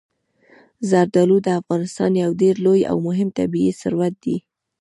زردالو د افغانستان یو ډېر لوی او مهم طبعي ثروت دی.